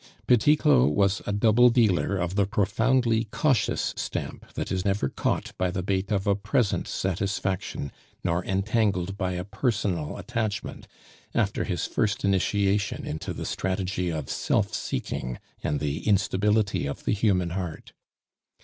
Petit Claud was a double dealer of the profoundly cautious stamp that is never caught by the bait of a present satisfaction, nor entangled by a personal attachment, after his first initiation into the strategy of self seeking and the instability of the human heart.